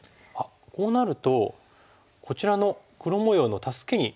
こうなるとこちらの黒模様の助けにこの辺りもなってますよね。